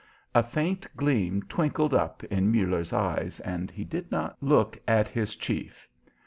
A faint gleam twinkled up in Muller's eyes, and he did not look at his chief.